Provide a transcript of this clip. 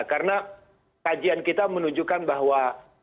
karena kajian kita menunjukkan bahwa